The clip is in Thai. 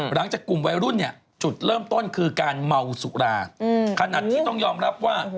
หลังจากกลุ่มวัยรุ่นเนี่ยจุดเริ่มต้นคือการเมาสุราขนาดที่ต้องยอมรับว่า